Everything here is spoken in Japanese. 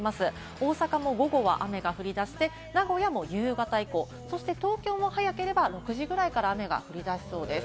大阪も午後は雨が降り出して名古屋も夕方以降、東京も早ければ、９時ぐらいから雨が降りだしそうです。